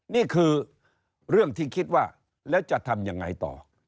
นี่คือเรื่องที่คิดว่าแล้วจะทำยังไงต่อ